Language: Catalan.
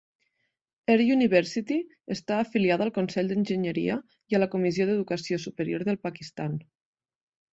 Air University està afiliada al Consell d'Enginyeria i a la Comissió d'Educació Superior del Pakistan.